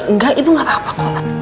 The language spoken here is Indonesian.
nggak ibu gak apa apa kok